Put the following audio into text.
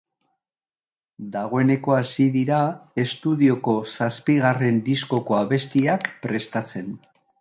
Dagoeneko hasi dira estudioko zazpigarren diskoko abestiak prestatzen.